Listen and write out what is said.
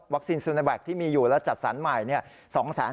วัคซีนซีเนวัคที่มีอยู่แล้วจัดสรรใหม่